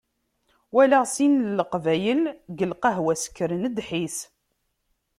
Walaɣ sin n Leqbayel deg lqahwa ssekren ddḥis.